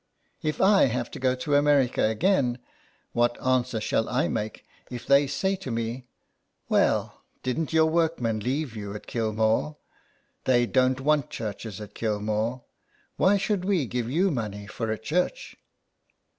If I have to go to America again, what answer shall I make if they say to me: — 'Well, didn't your workmen leave you at Kilmore? They don't want churches at Kilmore. Why should we give you money for a church